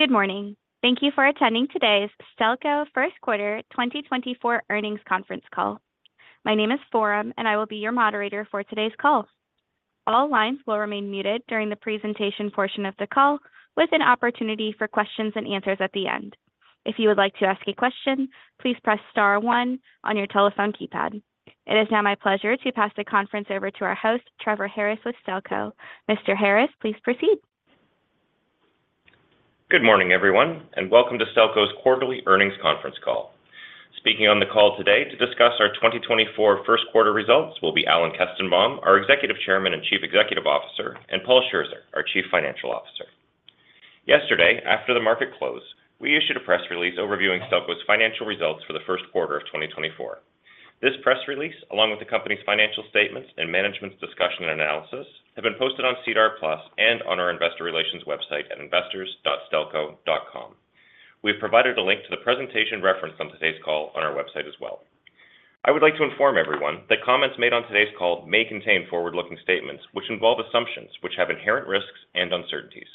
Good morning. Thank you for attending today's Stelco First Quarter 2024 Earnings Conference Call. My name is Forum, and I will be your moderator for today's call. All lines will remain muted during the presentation portion of the call, with an opportunity for questions and answers at the end. If you would like to ask a question, please press star one on your telephone keypad. It is now my pleasure to pass the conference over to our host, Trevor Harris with Stelco. Mr. Harris, please proceed. Good morning, everyone, and welcome to Stelco's Quarterly Earnings Conference Call. Speaking on the call today to discuss our 2024 first quarter results will be Alan Kestenbaum, our Executive Chairman and Chief Executive Officer, and Paul Scherzer, our Chief Financial Officer. Yesterday, after the market closed, we issued a press release overviewing Stelco's financial results for the first quarter of 2024. This press release, along with the company's financial statements and management's discussion and analysis, have been posted on SEDAR+ and on our investor relations website at investors.stelco.com. We have provided a link to the presentation referenced on today's call on our website as well. I would like to inform everyone that comments made on today's call may contain forward-looking statements, which involve assumptions which have inherent risks and uncertainties.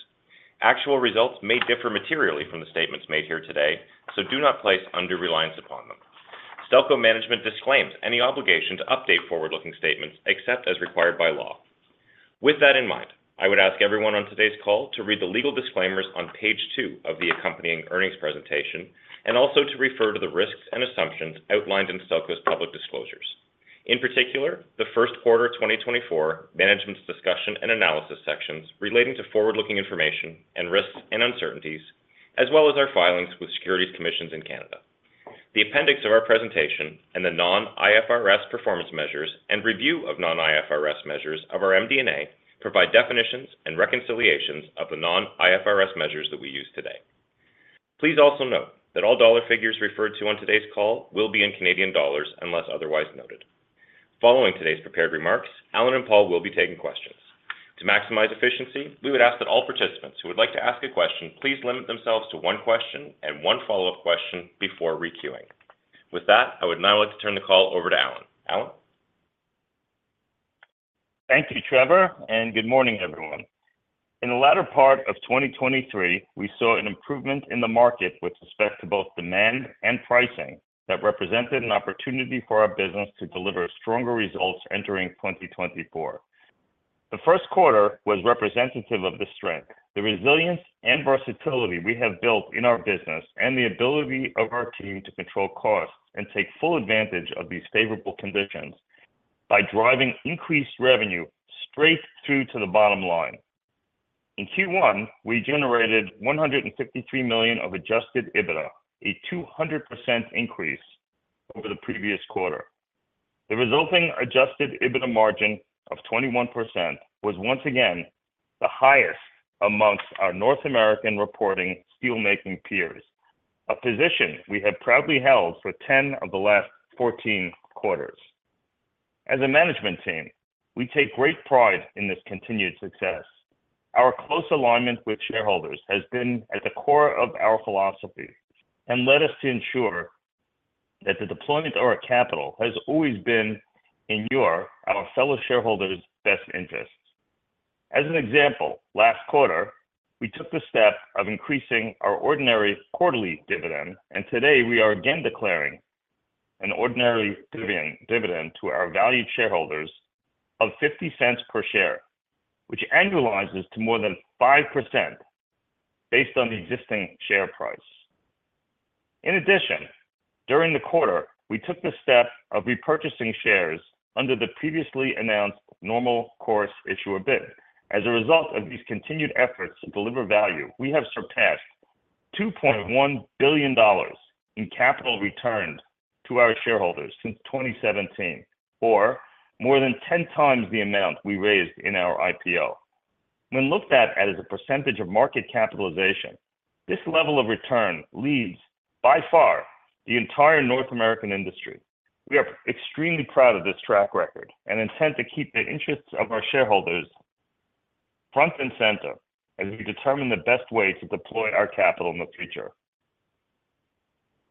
Actual results may differ materially from the statements made here today, so do not place under reliance upon them. Stelco Management disclaims any obligation to update forward-looking statements except as required by law. With that in mind, I would ask everyone on today's call to read the legal disclaimers on page two of the accompanying earnings presentation, and also to refer to the risks and assumptions outlined in Stelco's public disclosures. In particular, the first quarter 2024 Management's Discussion and Analysis sections relating to forward-looking information and risks and uncertainties, as well as our filings with securities commissions in Canada. The appendix of our presentation and the non-IFRS performance measures and review of non-IFRS measures of our MD&A provide definitions and reconciliations of the non-IFRS measures that we use today. Please also note that all dollar figures referred to on today's call will be in Canadian dollars, unless otherwise noted. Following today's prepared remarks, Alan and Paul will be taking questions. To maximize efficiency, we would ask that all participants who would like to ask a question, please limit themselves to one question and one follow-up question before re-queuing. With that, I would now like to turn the call over to Alan. Alan? Thank you, Trevor, and good morning, everyone. In the latter part of 2023, we saw an improvement in the market with respect to both demand and pricing that represented an opportunity for our business to deliver stronger results entering 2024. The first quarter was representative of the strength, the resilience and versatility we have built in our business, and the ability of our team to control costs and take full advantage of these favorable conditions by driving increased revenue straight through to the bottom line. In Q1, we generated 153 million of Adjusted EBITDA, a 200% increase over the previous quarter. The resulting Adjusted EBITDA margin of 21% was once again the highest amongst our North American reporting steelmaking peers, a position we have proudly held for 10 of the last 14 quarters. As a management team, we take great pride in this continued success. Our close alignment with shareholders has been at the core of our philosophy and led us to ensure that the deployment of our capital has always been in your, our fellow shareholders, best interests. As an example, last quarter, we took the step of increasing our ordinary quarterly dividend, and today we are again declaring an ordinary dividend to our valued shareholders of 0.50 per share, which annualizes to more than 5% based on the existing share price. In addition, during the quarter, we took the step of repurchasing shares under the previously announced Normal Course Issuer Bid. As a result of these continued efforts to deliver value, we have surpassed 2.1 billion dollars in capital returned to our shareholders since 2017, or more than 10 times the amount we raised in our IPO. When looked at as a percentage of market capitalization, this level of return leads, by far, the entire North American industry. We are extremely proud of this track record and intend to keep the interests of our shareholders front and center as we determine the best way to deploy our capital in the future.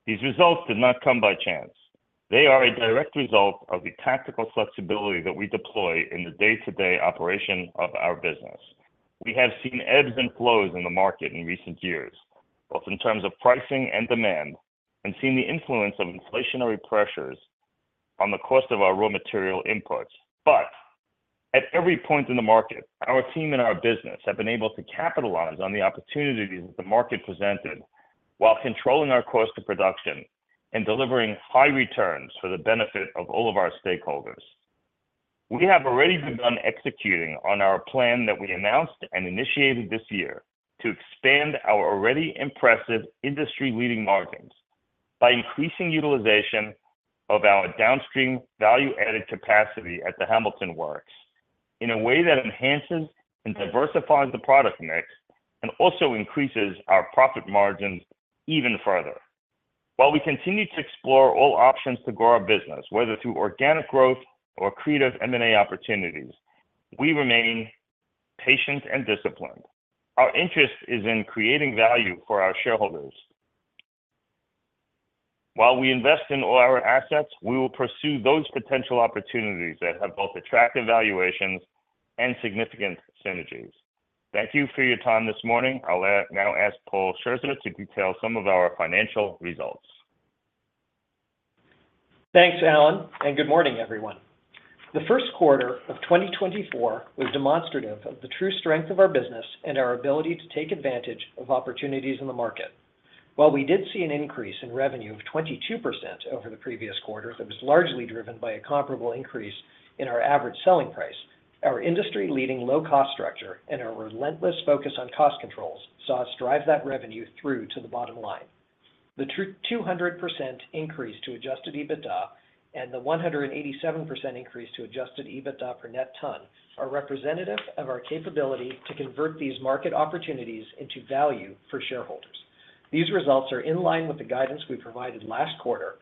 These results did not come by chance. They are a direct result of the tactical flexibility that we deploy in the day-to-day operation of our business. We have seen ebbs and flows in the market in recent years, both in terms of pricing and demand, and seen the influence of inflationary pressures on the cost of our raw material inputs. But at every point in the market, our team and our business have been able to capitalize on the opportunities that the market presented while controlling our cost of production and delivering high returns for the benefit of all of our stakeholders. We have already begun executing on our plan that we announced and initiated this year to expand our already impressive industry-leading margins by increasing utilization of our downstream value-added capacity at the Hamilton Works in a way that enhances and diversifies the product mix and also increases our profit margins even further. While we continue to explore all options to grow our business, whether through organic growth or creative M&A opportunities, we remain patient and disciplined. Our interest is in creating value for our shareholders. While we invest in all our assets, we will pursue those potential opportunities that have both attractive valuations and significant synergies. Thank you for your time this morning. I'll now ask Paul Scherzer to detail some of our financial results. Thanks, Alan, and good morning, everyone. The first quarter of 2024 was demonstrative of the true strength of our business and our ability to take advantage of opportunities in the market. While we did see an increase in revenue of 22% over the previous quarter, that was largely driven by a comparable increase in our average selling price. Our industry-leading low-cost structure and our relentless focus on cost controls saw us drive that revenue through to the bottom line. The 200% increase to Adjusted EBITDA and the 187% increase to Adjusted EBITDA per net ton are representative of our capability to convert these market opportunities into value for shareholders. These results are in line with the guidance we provided last quarter,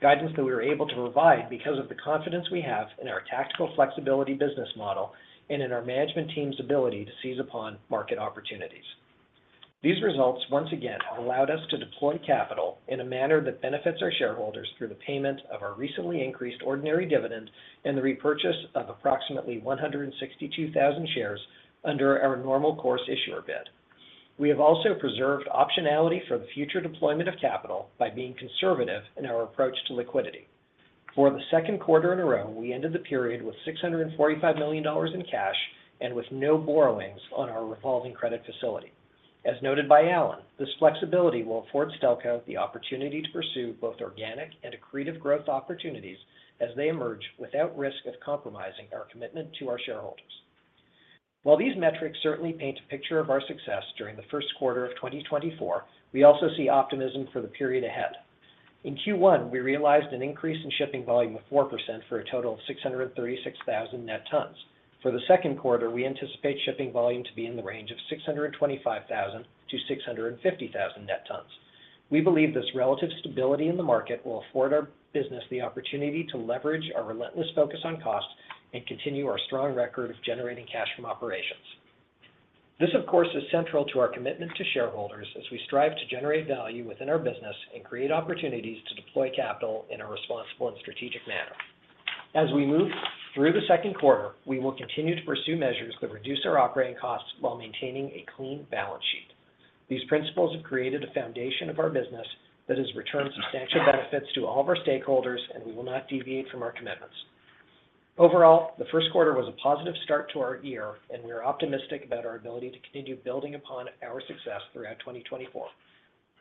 guidance that we were able to provide because of the confidence we have in our tactical flexibility business model and in our management team's ability to seize upon market opportunities. These results, once again, allowed us to deploy capital in a manner that benefits our shareholders through the payment of our recently increased ordinary dividend and the repurchase of approximately 162,000 shares under our normal course issuer bid. We have also preserved optionality for the future deployment of capital by being conservative in our approach to liquidity. For the second quarter in a row, we ended the period with 645 million dollars in cash and with no borrowings on our revolving credit facility. As noted by Alan, this flexibility will afford Stelco the opportunity to pursue both organic and accretive growth opportunities as they emerge, without risk of compromising our commitment to our shareholders. While these metrics certainly paint a picture of our success during the first quarter of 2024, we also see optimism for the period ahead. In Q1, we realized an increase in shipping volume of 4% for a total of 636,000 net tons. For the second quarter, we anticipate shipping volume to be in the range of 625,000-650,000 net tons. We believe this relative stability in the market will afford our business the opportunity to leverage our relentless focus on cost, and continue our strong record of generating cash from operations. This, of course, is central to our commitment to shareholders as we strive to generate value within our business and create opportunities to deploy capital in a responsible and strategic manner. As we move through the second quarter, we will continue to pursue measures that reduce our operating costs while maintaining a clean balance sheet. These principles have created a foundation of our business that has returned substantial benefits to all of our stakeholders, and we will not deviate from our commitments. Overall, the first quarter was a positive start to our year, and we are optimistic about our ability to continue building upon our success throughout 2024.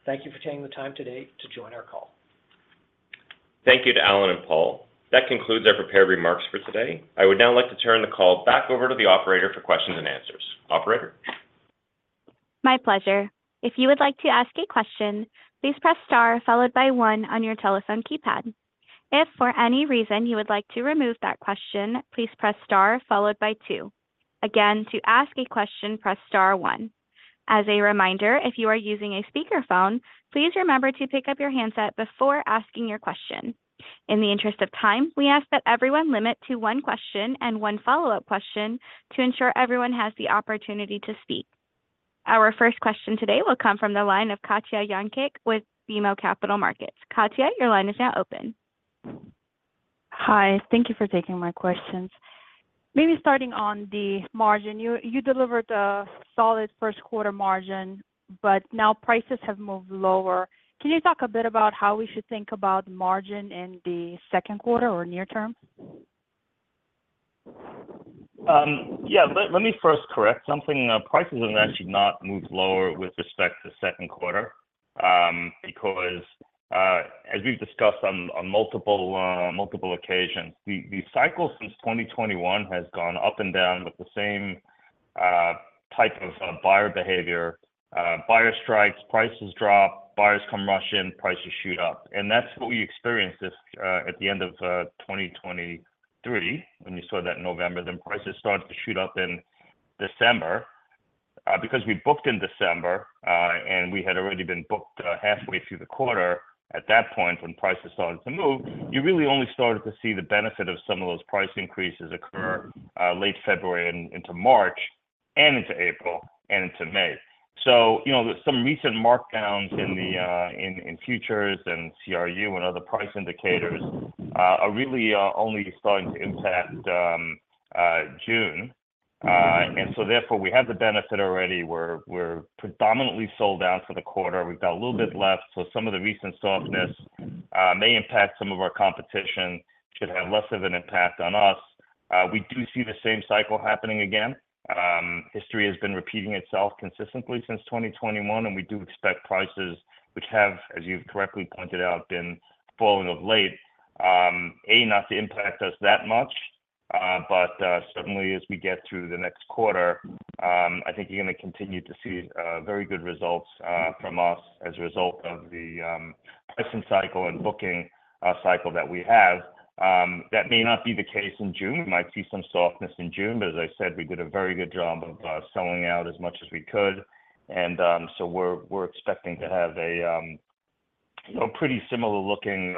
Thank you for taking the time today to join our call. Thank you to Alan and Paul. That concludes our prepared remarks for today. I would now like to turn the call back over to the operator for questions and answers. Operator? My pleasure. If you would like to ask a question, please press Star, followed by One on your telephone keypad. If, for any reason, you would like to remove that question, please press Star followed by Two. Again, to ask a question, press Star one. As a reminder, if you are using a speakerphone, please remember to pick up your handset before asking your question. In the interest of time, we ask that everyone limit to one question and one follow-up question to ensure everyone has the opportunity to speak. Our first question today will come from the line of Katja Jancic with BMO Capital Markets. Katja, your line is now open. Hi, thank you for taking my questions. Maybe starting on the margin, you delivered a solid first quarter margin, but now prices have moved lower. Can you talk a bit about how we should think about margin in the second quarter or near term? Yeah. Let me first correct something. Prices have actually not moved lower with respect to second quarter, because, as we've discussed on multiple occasions, the cycle since 2021 has gone up and down with the same type of buyer behavior. Buyer strikes, prices drop, buyers come rushing, prices shoot up. And that's what we experienced this at the end of 2023, when you saw that in November, then prices started to shoot up in December. Because we booked in December, and we had already been booked halfway through the quarter at that point, when prices started to move, you really only started to see the benefit of some of those price increases occur, late February and into March, and into April, and into May. So, you know, some recent markdowns in the futures and CRU and other price indicators are really only starting to impact June. And so therefore, we have the benefit already where we're predominantly sold out for the quarter. We've got a little bit left, so some of the recent softness may impact some of our competition, should have less of an impact on us. We do see the same cycle happening again. History has been repeating itself consistently since 2021, and we do expect prices, which have, as you've correctly pointed out, been falling of late, not to impact us that much, but certainly as we get through the next quarter, I think you're gonna continue to see very good results from us as a result of the pricing cycle and booking cycle that we have. That may not be the case in June. We might see some softness in June, but as I said, we did a very good job of selling out as much as we could. And so we're expecting to have a, you know, pretty similar-looking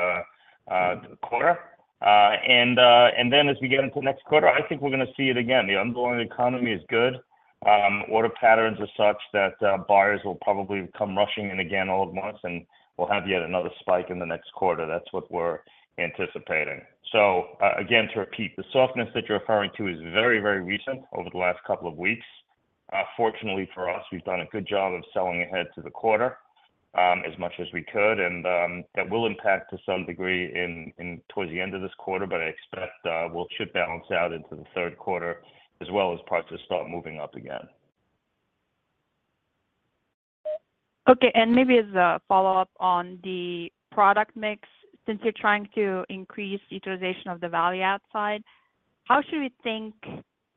quarter. And then as we get into next quarter, I think we're gonna see it again. The underlying economy is good. Order patterns are such that, buyers will probably come rushing in again all at once, and we'll have yet another spike in the next quarter. That's what we're anticipating. So, again, to repeat, the softness that you're referring to is very, very recent, over the last couple of weeks. Fortunately, for us, we've done a good job of selling ahead to the quarter, as much as we could, and, that will impact to some degree in towards the end of this quarter, but I expect, we'll ship balance out into the third quarter, as well as prices start moving up again. Okay, maybe as a follow-up on the product mix, since you're trying to increase utilization of the value add side, how should we think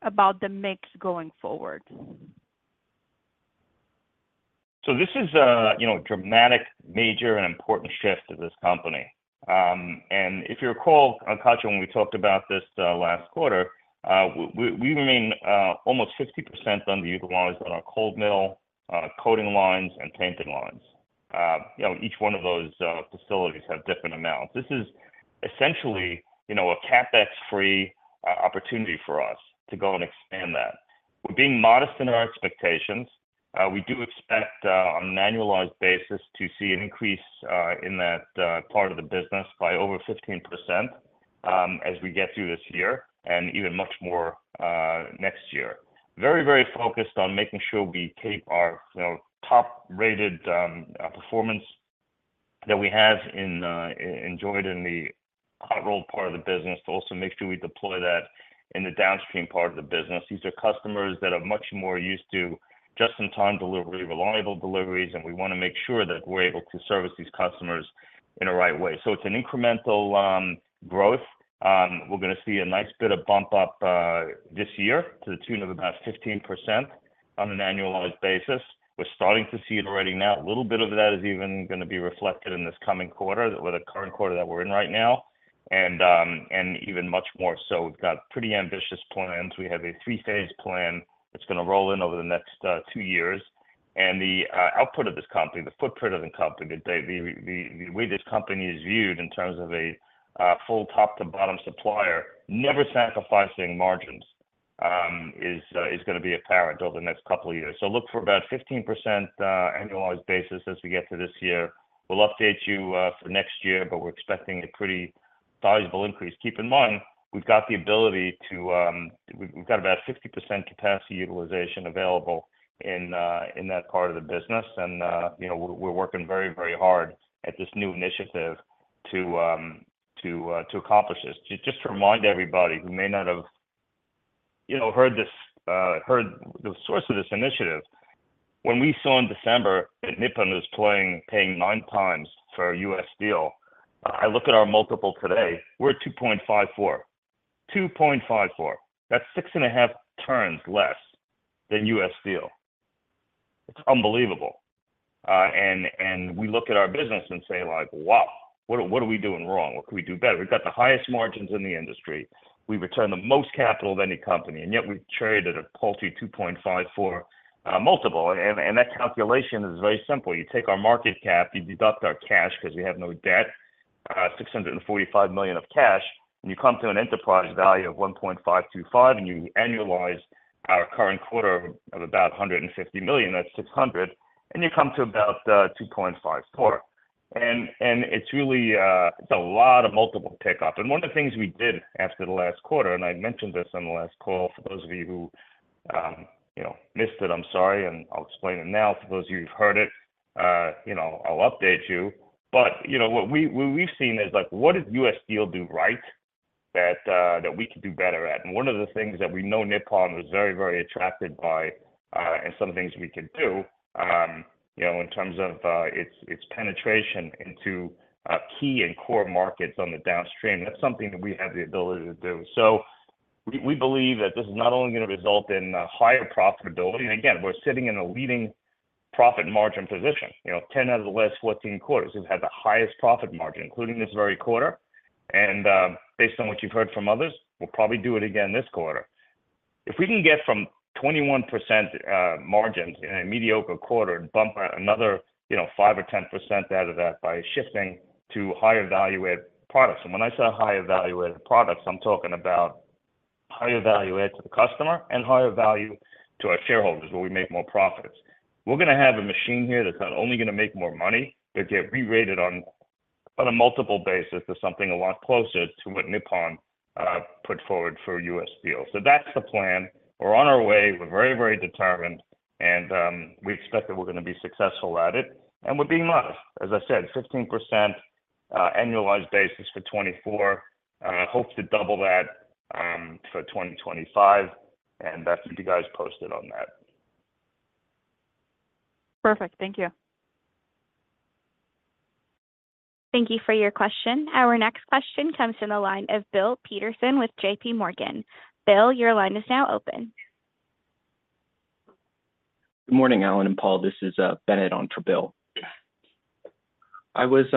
about the mix going forward? So this is a, you know, dramatic, major and important shift to this company. And if you recall, Katja, when we talked about this last quarter, we remain almost 60% underutilized on our cold mill, coating lines and painting lines. You know, each one of those facilities have different amounts. This is essentially, you know, a CapEx-free opportunity for us to go and expand that. We're being modest in our expectations. We do expect on an annualized basis to see an increase in that part of the business by over 15%, as we get through this year and even much more next year. Very, very focused on making sure we take our, you know, top-rated performance that we have enjoyed in the hot roll part of the business, to also make sure we deploy that in the downstream part of the business. These are customers that are much more used to just-in-time delivery, reliable deliveries, and we wanna make sure that we're able to service these customers in a right way. So it's an incremental growth. We're gonna see a nice bit of bump up this year to the tune of about 15% on an annualized basis. We're starting to see it already now. A little bit of that is even gonna be reflected in this coming quarter, with the current quarter that we're in right now, and even much more so. We've got pretty ambitious plans. We have a three-phase plan that's gonna roll in over the next two years. The output of this company, the footprint of the company, the way this company is viewed in terms of a full top to bottom supplier, never sacrificing margins, is gonna be apparent over the next couple of years. So look for about 15% annualized basis as we get through this year. We'll update you for next year, but we're expecting a pretty sizable increase. Keep in mind, we've got the ability to. We've got about 60% capacity utilization available in that part of the business, and you know, we're working very, very hard at this new initiative to accomplish this. Just to remind everybody who may not have, you know, heard this, heard the source of this initiative, when we saw in December that Nippon was playing, paying 9x for U.S. Steel, I look at our multiple today, we're at 2.54. 2.54. That's 6.5 times less than U.S. Steel. It's unbelievable. And we look at our business and say like: "Wow, what are we doing wrong? What can we do better?" We've got the highest margins in the industry. We return the most capital of any company, and yet we've traded a paltry 2.54x multiple. And that calculation is very simple. You take our market cap, you deduct our cash, 'cause we have no debt, 645 million of cash, and you come to an enterprise value of 1.525 billion, and you annualize our current quarter of about 150 million, that's 600 million, and you come to about 2.54. And it's really a lot of multiple pickup. And one of the things we did after the last quarter, and I mentioned this on the last call, for those of you who, you know, missed it, I'm sorry, and I'll explain it now. For those of you who've heard it, you know, I'll update you. But, you know, what we've seen is like, what did U.S. Steel do right that, that we could do better at? And one of the things that we know Nippon was very, very attracted by, and some things we could do, you know, in terms of, its, its penetration into, key and core markets on the downstream, that's something that we have the ability to do. So we, we believe that this is not only gonna result in, higher profitability, and again, we're sitting in a leading profit margin position. You know, 10 out of the last 14 quarters, we've had the highest profit margin, including this very quarter, and, based on what you've heard from others, we'll probably do it again this quarter. If we can get from 21%, margins in a mediocre quarter and bump another, you know, 5 or 10% out of that by shifting to higher value add products. When I say higher value add products, I'm talking about higher value add to the customer and higher value to our shareholders, where we make more profits. We're gonna have a machine here that's not only gonna make more money, but get re-rated on a multiple basis to something a lot closer to what Nippon put forward for U.S. Steel. So that's the plan. We're on our way. We're very, very determined, and we expect that we're gonna be successful at it, and we're being modest. As I said, 15% annualized basis for 2024. Hope to double that for 2025, and that's keep you guys posted on that. Perfect. Thank you. Thank you for your question. Our next question comes from the line of Bill Peterson with J.P. Morgan. Bill, your line is now open. Good morning, Alan and Paul. This is, Bennett on for Bill. I was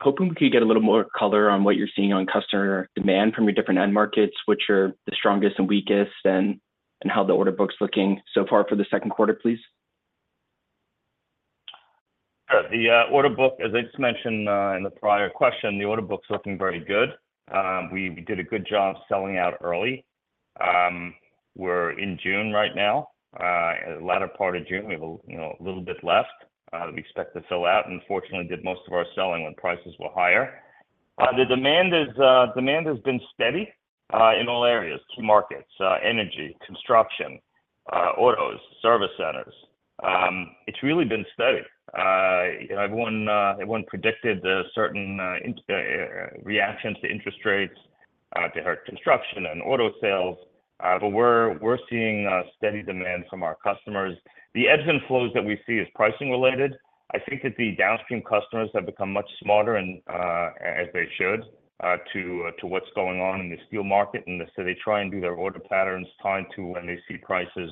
hoping we could get a little more color on what you're seeing on customer demand from your different end markets, which are the strongest and weakest, and, and how the order book's looking so far for the second quarter, please? The order book, as I just mentioned, in the prior question, the order book's looking very good. We did a good job selling out early. We're in June right now, the latter part of June. We have a, you know, little bit left, we expect to sell out, and fortunately did most of our selling when prices were higher. The demand is, demand has been steady, in all areas, key markets, energy, construction, autos, service centers. It's really been steady. Everyone, everyone predicted a certain reaction to interest rates, to hurt construction and auto sales, but we're, we're seeing, steady demand from our customers. The ebbs and flows that we see is pricing related. I think that the downstream customers have become much smarter and, as they should, to what's going on in the steel market, and so they try and do their order patterns tied to when they see prices,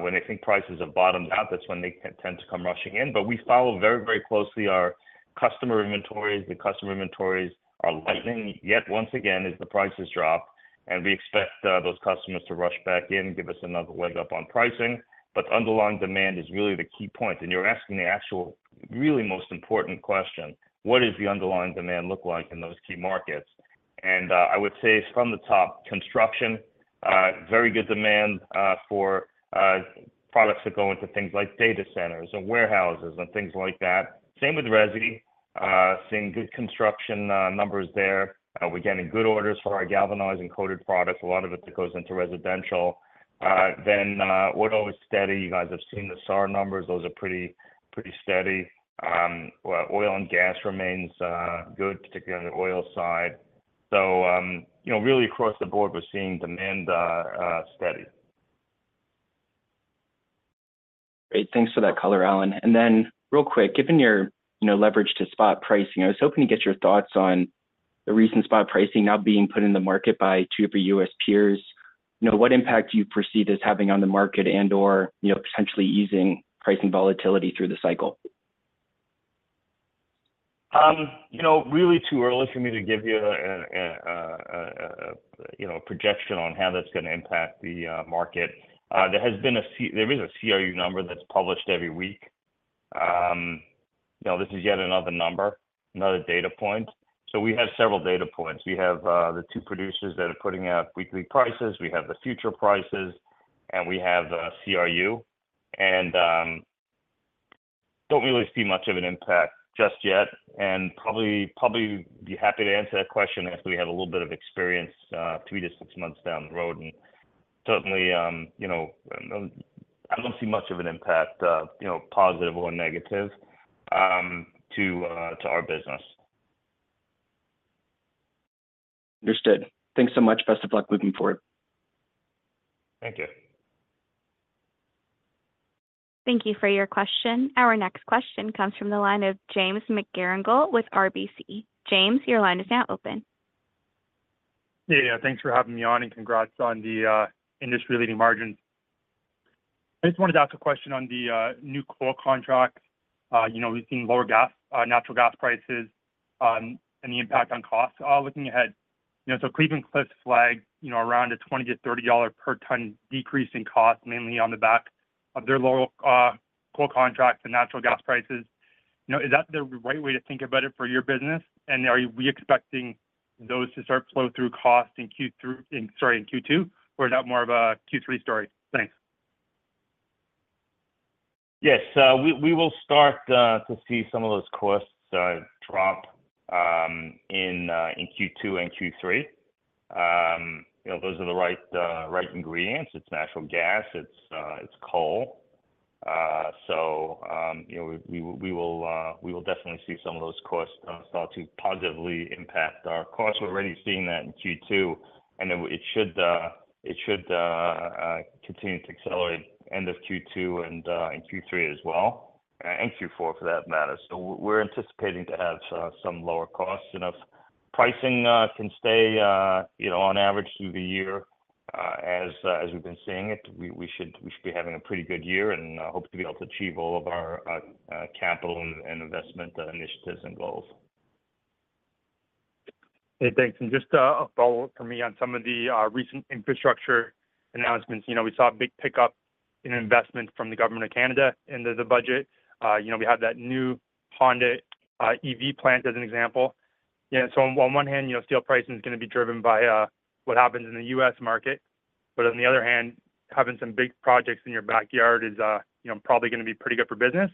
when they think prices have bottomed out, that's when they tend to come rushing in. But we follow very, very closely our customer inventories. The customer inventories are lightening yet once again, as the prices drop, and we expect, those customers to rush back in and give us another leg up on pricing. But underlying demand is really the key point, and you're asking the actual really most important question, what does the underlying demand look like in those key markets? I would say from the top, construction very good demand for products that go into things like data centers or warehouses and things like that. Same with resi, seeing good construction numbers there. We're getting good orders for our galvanize and coated products. A lot of it goes into residential. Then, auto is steady. You guys have seen the SAAR numbers. Those are pretty, pretty steady. Oil and gas remains good, particularly on the oil side. So, you know, really across the board, we're seeing demand steady. Great. Thanks for that color, Alan. Then real quick, given your, you know, leverage to spot pricing, I was hoping to get your thoughts on the recent spot pricing now being put in the market by two of your U.S. peers. You know, what impact do you perceive as having on the market and/or, you know, potentially easing pricing volatility through the cycle? You know, really too early for me to give you a projection on how that's gonna impact the market. There is a CRU number that's published every week. You know, this is yet another number, another data point. So we have several data points. We have the two producers that are putting out weekly prices, we have the future prices, and we have the CRU. And don't really see much of an impact just yet, and probably be happy to answer that question after we have a little bit of experience, three to six months down the road. And certainly, you know, I don't see much of an impact, you know, positive or negative, to our business. Understood. Thanks so much. Best of luck moving forward. Thank you. Thank you for your question. Our next question comes from the line of James McGarragle with RBC. James, your line is now open. Yeah, thanks for having me on, and congrats on the, industry-leading margins. I just wanted to ask a question on the, new coal contract. You know, we've seen lower gas, natural gas prices, and the impact on costs, looking ahead. You know, so Cleveland-Cliffs flag, you know, around a $20-$30 per ton decrease in cost, mainly on the back of their lower, coal contracts and natural gas prices. You know, is that the right way to think about it for your business? And are we expecting those to start flow through cost in Q3, sorry, in Q2, or is that more of a Q3 story? Thanks. Yes. We will start to see some of those costs drop in Q2 and Q3. You know, those are the right ingredients. It's natural gas, it's coal. So, you know, we will definitely see some of those costs start to positively impact our costs. We're already seeing that in Q2, and it should continue to accelerate end of Q2 and in Q3 as well, and Q4 for that matter. So we're anticipating to have some lower costs. You know, if pricing can stay, you know, on average through the year, as we've been seeing it, we should be having a pretty good year and hope to be able to achieve all of our capital and investment initiatives and goals. Hey, thanks. And just a follow-up for me on some of the recent infrastructure announcements. You know, we saw a big pickup in investment from the Government of Canada into the budget. You know, we have that new Honda EV plant, as an example. You know, so on one hand, you know, steel pricing is gonna be driven by what happens in the U.S market, but on the other hand, having some big projects in your backyard is, you know, probably gonna be pretty good for business.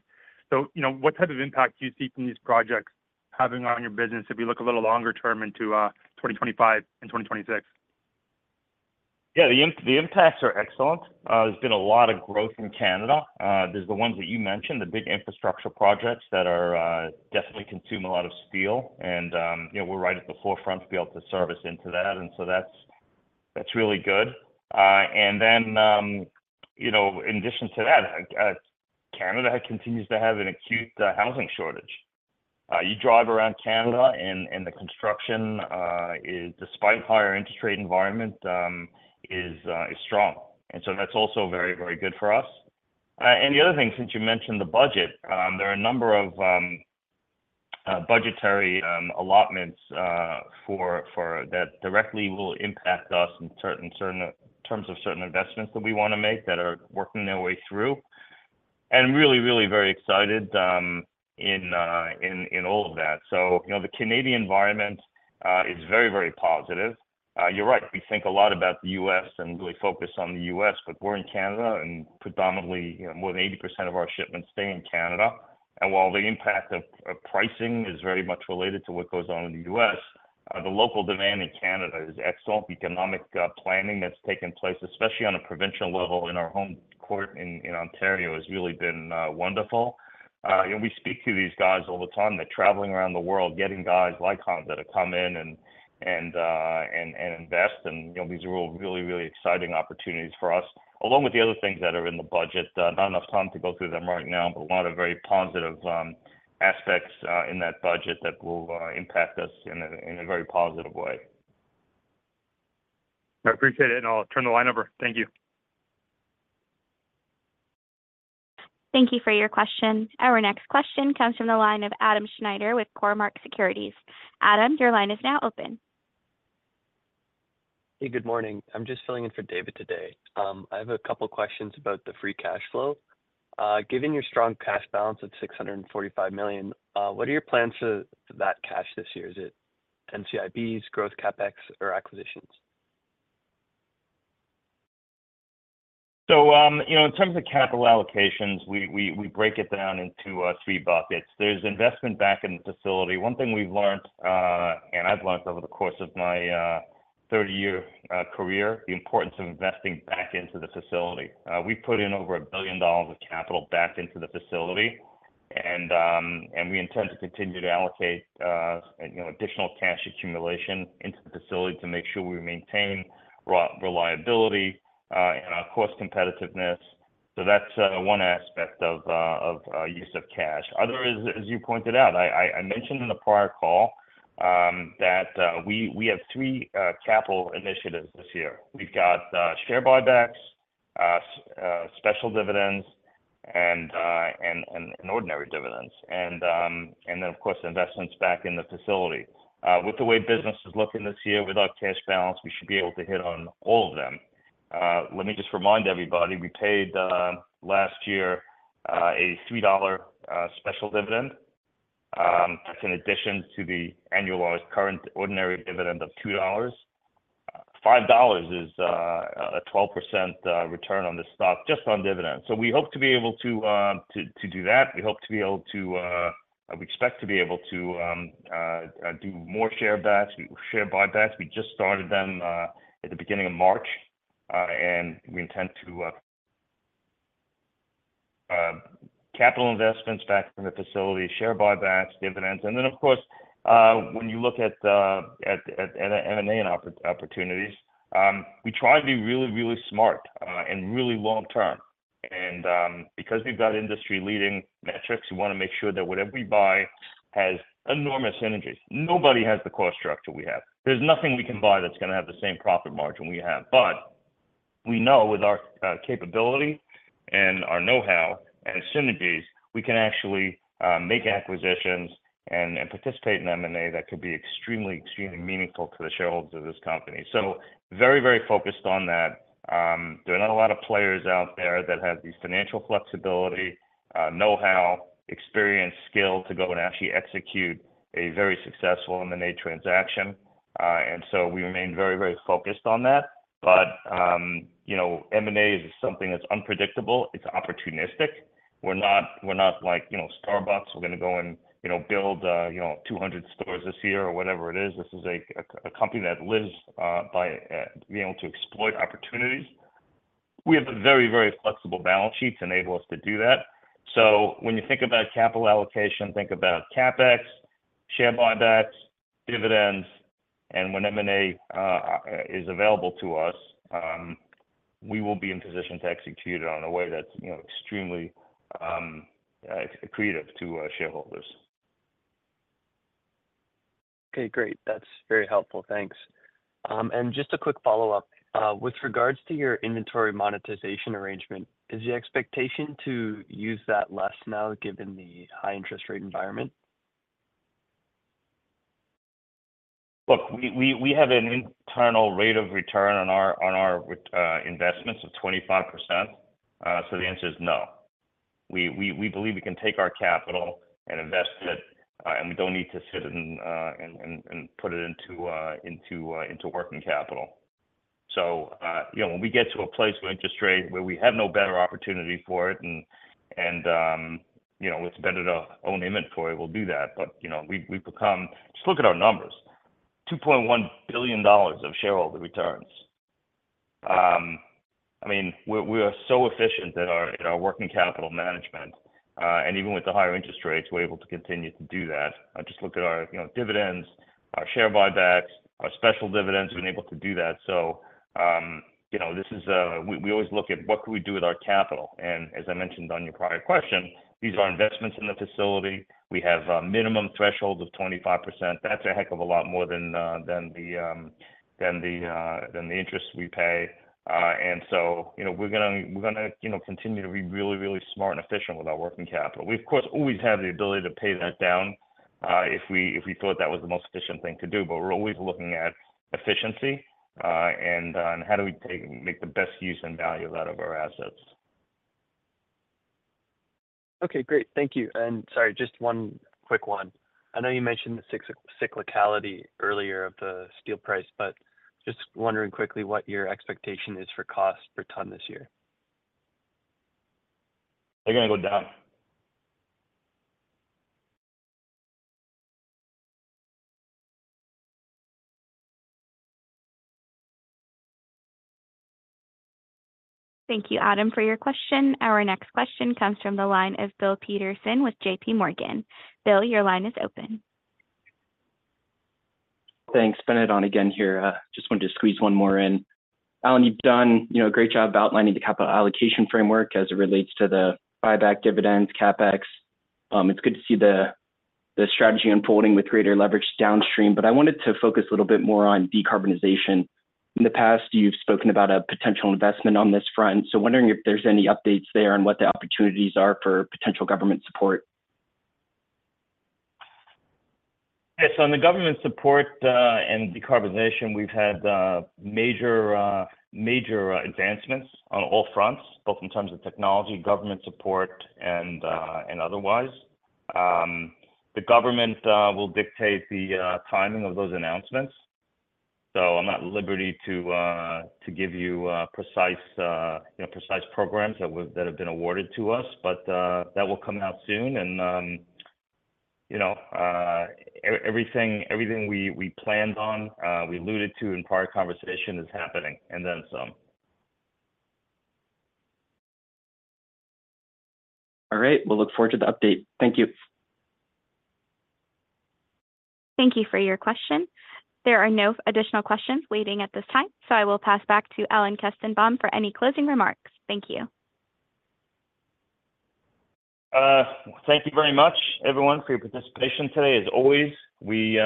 So, you know, what type of impact do you see from these projects having on your business if you look a little longer term into 2025 and 2026? Yeah, the impacts are excellent. There's been a lot of growth in Canada. There's the ones that you mentioned, the big infrastructure projects that are definitely consume a lot of steel and, you know, we're right at the forefront to be able to service into that, and so that's, that's really good. And then, you know, in addition to that, Canada continues to have an acute housing shortage. You drive around Canada and, and the construction is despite higher interest rate environment is strong. And so that's also very, very good for us. And the other thing, since you mentioned the budget, there are a number of budgetary allotments for that directly will impact us in certain terms of certain investments that we want to make that are working their way through, and really very excited in all of that. So you know, the Canadian environment is very positive. You're right, we think a lot about the U.S. and really focus on the U.S., but we're in Canada, and predominantly, more than 80% of our shipments stay in Canada. And while the impact of pricing is very much related to what goes on in the U.S. the local demand in Canada is excellent. Economic planning that's taken place, especially on a provincial level in our home court in Ontario, has really been wonderful. And we speak to these guys all the time. They're traveling around the world, getting guys like us that have come in and invest, and, you know, these are all really, really exciting opportunities for us, along with the other things that are in the budget. Not enough time to go through them right now, but a lot of very positive aspects in that budget that will impact us in a very positive way. I appreciate it, and I'll turn the line over. Thank you. Thank you for your question. Our next question comes from the line of Adam Schneider with Cormark Securities. Adam, your line is now open. Hey, good morning. I'm just filling in for David today. I have a couple questions about the free cash flow. Given your strong cash balance of 645 million, what are your plans for that cash this year? Is it NCIBs, growth CapEx, or acquisitions? So, you know, in terms of capital allocations, we break it down into three buckets. There's investment back in the facility. One thing we've learned, and I've learned over the course of my 30-year career, the importance of investing back into the facility. We've put in over 1 billion dollars of capital back into the facility, and we intend to continue to allocate, you know, additional cash accumulation into the facility to make sure we maintain reliability, and our cost competitiveness. So that's one aspect of use of cash. Other is, as you pointed out, I mentioned in the prior call, that we have three capital initiatives this year. We've got share buybacks, special dividends, and ordinary dividends, and then, of course, investments back in the facility. With the way business is looking this year, with our cash balance, we should be able to hit on all of them. Let me just remind everybody, we paid last year a 3 dollar special dividend, that's in addition to the annualized current ordinary dividend of 2 dollars. 5 dollars is a 12% return on the stock, just on dividends. So we hope to be able to do that. We hope to be able to. We expect to be able to do more share buybacks. We just started them at the beginning of March, and we intend to capital investments back from the facility, share buybacks, dividends. And then, of course, when you look at the M&A opportunities, we try to be really, really smart and really long term. And because we've got industry-leading metrics, we wanna make sure that whatever we buy has enormous synergies. Nobody has the cost structure we have. There's nothing we can buy that's gonna have the same profit margin we have. But we know with our capability and our know-how and synergies, we can actually make acquisitions and participate in M&A that could be extremely, extremely meaningful to the shareholders of this company. So very, very focused on that. There are not a lot of players out there that have the financial flexibility, know-how, experience, skill to go and actually execute a very successful M&A transaction. And so we remain very, very focused on that. But, you know, M&A is something that's unpredictable, it's opportunistic. We're not, we're not like, you know, Starbucks, we're gonna go and, you know, build 200 stores this year or whatever it is. This is a company that lives by being able to exploit opportunities. We have a very, very flexible balance sheet to enable us to do that. So when you think about capital allocation, think about CapEx, share buybacks, dividends, and when M&A is available to us, we will be in position to execute it on a way that's, you know, extremely creative to our shareholders. Okay, great. That's very helpful. Thanks. Just a quick follow-up. With regards to your inventory monetization arrangement, is the expectation to use that less now, given the high interest rate environment? Look, we have an internal rate of return on our investments of 25%. So the answer is no. We believe we can take our capital and invest it, and we don't need to sit it in, and put it into working capital. So, you know, when we get to a place with interest rate, where we have no better opportunity for it, and, you know, we've spent it on own inventory, we'll do that. But, you know, we've become, just look at our numbers, 2.1 billion dollars of shareholder returns. I mean, we are so efficient in our working capital management, and even with the higher interest rates, we're able to continue to do that. Just look at our, you know, dividends, our share buybacks, our special dividends, we're able to do that. So, you know, this is, we always look at what could we do with our capital, and as I mentioned on your prior question, these are investments in the facility. We have a minimum threshold of 25%. That's a heck of a lot more than the interest we pay. And so, you know, we're gonna, we're gonna, you know, continue to be really, really smart and efficient with our working capital. We, of course, always have the ability to pay that down if we, if we thought that was the most efficient thing to do. We're always looking at efficiency, and on how do we make the best use and value out of our assets. Okay, great. Thank you. And sorry, just one quick one. I know you mentioned the cyclicality earlier of the steel price, but just wondering quickly what your expectation is for cost per ton this year? They're gonna go down. Thank you, Adam, for your question. Our next question comes from the line of Bill Peterson with JP Morgan. Bill, your line is open. Thanks. Bennett on again here. Just wanted to squeeze one more in. Alan, you've done, you know, a great job outlining the capital allocation framework as it relates to the buyback dividends, CapEx. It's good to see the, the strategy unfolding with greater leverage downstream, but I wanted to focus a little bit more on decarbonization. In the past, you've spoken about a potential investment on this front, so wondering if there's any updates there and what the opportunities are for potential government support? Yes, on the government support, and decarbonization, we've had, major, major, advancements on all fronts, both in terms of technology, government support, and, and otherwise. The government will dictate the timing of those announcements, so I'm not at liberty to to give you precise, you know, precise programs that have been awarded to us. But, that will come out soon and, you know, everything, everything we, we planned on, we alluded to in prior conversation is happening, and then some. All right. We'll look forward to the update. Thank you. Thank you for your question. There are no additional questions waiting at this time, so I will pass back to Alan Kestenbaum for any closing remarks. Thank you. Thank you very much, everyone, for your participation today. As always, we,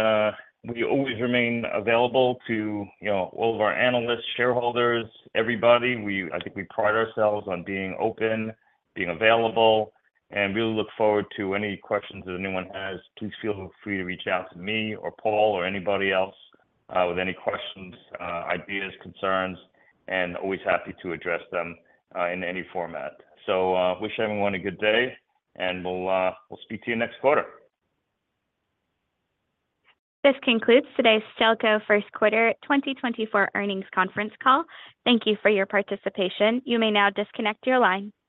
we always remain available to, you know, all of our analysts, shareholders, everybody. I think we pride ourselves on being open, being available, and really look forward to any questions that anyone has. Please feel free to reach out to me or Paul or anybody else, with any questions, ideas, concerns, and always happy to address them, in any format. So, wish everyone a good day, and we'll, we'll speak to you next quarter. This concludes today's Stelco First Quarter 2024 Earnings Conference Call. Thank you for your participation. You may now disconnect your line.